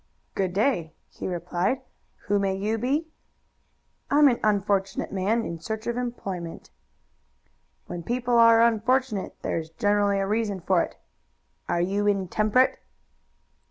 "Good day," he replied. "Who may you be?" "I'm an unfortunate man, in search of employment." "When people are unfortunate there is generally a reason for it. Are you intemperate?"